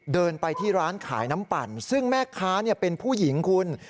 เดินไปที่ร้านขายน้ำปั่นซึ่งแม่ค้าเป็นผู้หญิงคุณ